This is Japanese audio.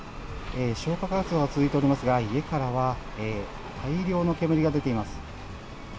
消火活動が続いておりますが、家からは大量の煙が出ています。